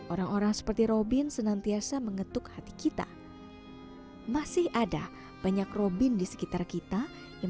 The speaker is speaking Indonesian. orang orang seperti robin senantiasa mengetuk hati kita masih ada banyak robin di sekitar kita yang